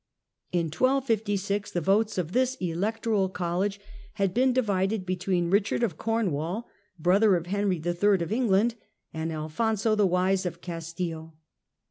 In 1256 the votes of this " Electoral College " had been divided between Richard of Cornwall, brother of Henry III. of England, and Alfonso the Wise of Castile.